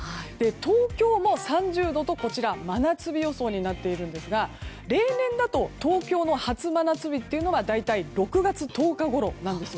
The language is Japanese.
東京も３０度と真夏日予想になっているんですが例年だと東京の初真夏日というのは大体６月１０日ごろなんです。